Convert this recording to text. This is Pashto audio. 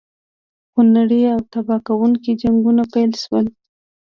خونړي او تباه کوونکي جنګونه پیل شول.